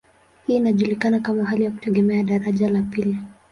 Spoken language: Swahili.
Hii inajulikana kama hali ya kutegemeana ya daraja la pili.